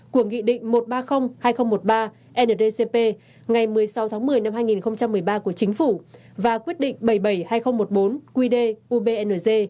của nghị định một trăm ba mươi hai nghìn một mươi ba ndcp ngày một mươi sáu tháng một mươi năm hai nghìn một mươi ba của chính phủ và quyết định bảy trăm bảy mươi hai nghìn một mươi bốn qd ubnz